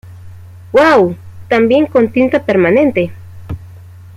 ¡ Uau! ¡ también con tinta permanente!